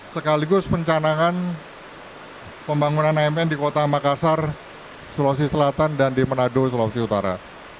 sekaligus pencanangan pembangunan amn di kota makassar sulawesi selatan dan di manado sulawesi utara